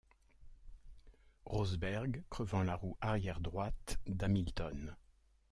Rosberg crevant la roue arrière droite d'Hamilton.